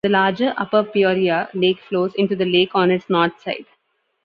The larger Upper Peoria Lake flows into the lake on its north side.